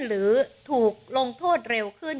หรือถูกลงโทษเร็วขึ้น